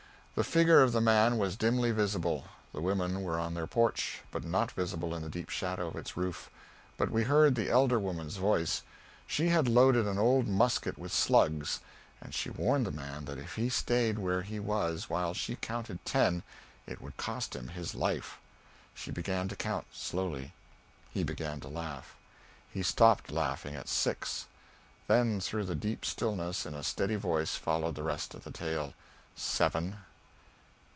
The figure of the man was dimly risible; the women were on their porch, but not visible in the deep shadow of its roof, but we heard the elder woman's voice. She had loaded an old musket with slugs, and she warned the man that if he stayed where he was while she counted ten it would cost him his life. She began to count, slowly: he began to laugh. He stopped laughing at "six"; then through the deep stillness, in a steady voice, followed the rest of the tale: "seven